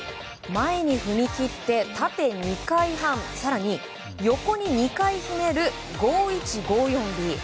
前に踏み切って縦２回半更に横に２回ひねる５１５４Ｂ。